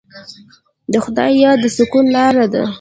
د خدای یاد د سکون لاره ده.